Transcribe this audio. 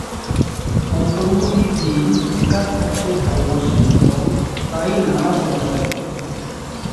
অন্তর্মুখী ডিন একা থাকতে ভালোবাসে এবং প্রায়ই নানা সমস্যায় পড়ে।